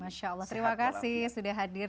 masya allah terima kasih sudah hadir